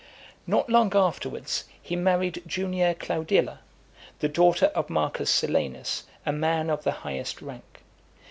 XII. Not long afterwards, he married Junia Claudilla, the daughter of Marcus Silanus, a man of the highest rank.